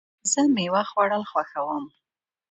زه مېوه خوړل خوښوم.